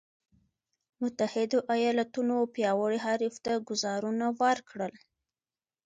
متحدو ایالتونو پیاوړي حریف ته ګوزارونه ورکړل.